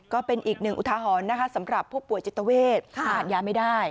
ก็เป็นอีกหนึ่งอุทหรณ์นะคะสำหรับผู้ป่วยจิตเวททานยาไม่ได้